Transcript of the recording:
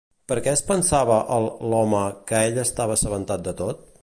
Per què es pensava el l'home que ell estava assabentat de tot?